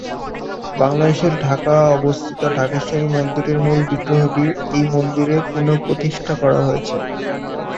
বাংলাদেশের ঢাকা অবস্থিত ঢাকেশ্বরী মন্দিরের মূল বিগ্রহটি এই মন্দিরে পুন:প্রতিষ্ঠা করা হয়েছে।